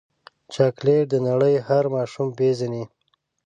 چاکلېټ د نړۍ هر ماشوم پیژني.